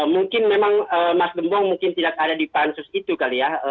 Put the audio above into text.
mungkin memang mas gembong mungkin tidak ada di pansus itu kali ya